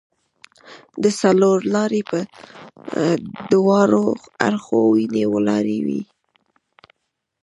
د څلورلارې پر دواړو اړخو ونې ولاړې وې.